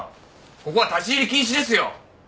ここは立ち入り禁止ですよ！